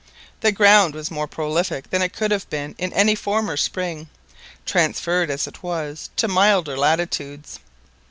The ground was more prolific than it could have been in any former spring, transferred as it was to milder latitudes.